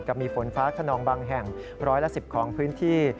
มีฝนฟ้าขนองบางแห่งร้อยละ๑๐ของพื้นที่